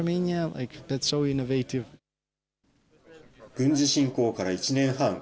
軍事侵攻から１年半。